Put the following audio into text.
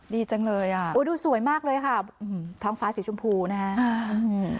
ดีจังเลยอ่ะดูสวยมากเลยค่ะท้องฟ้าสีชมพูนะครับ